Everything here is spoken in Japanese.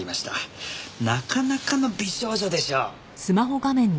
なかなかの美少女でしょ？